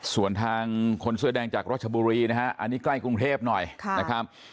ส่วนทางคนเสื้อแดงจากรัชบุรีนะฮะอันนี้ใกล้กรุงเทพหน่อยนะครับ